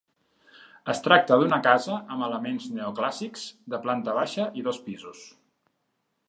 Es tracta d'una casa amb elements neoclàssics, de planta baixa i dos pisos.